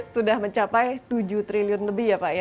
sudah mencapai tujuh triliun lebih ya pak ya